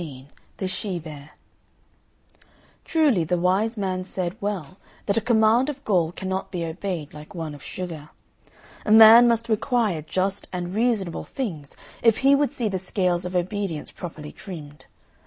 XV THE SHE BEAR Truly the wise man said well that a command of gall cannot be obeyed like one of sugar. A man must require just and reasonable things if he would see the scales of obedience properly trimmed.